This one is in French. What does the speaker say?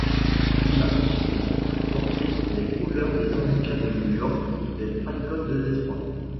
Il ensuite porté les couleurs des Americans de New York, des Falcons de Détroit.